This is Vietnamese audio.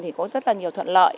thì có rất là nhiều thuận lợi